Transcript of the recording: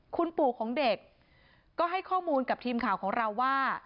คุณปู่ของเด็กก็ให้ข้อมูลกับทีมข่าวของเราว่า